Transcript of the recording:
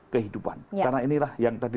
kehidupan karena inilah yang tadi